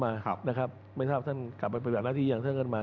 ไม่ชอบคือท่านกลับไปตามหน้าทีอย่างเธอกันมา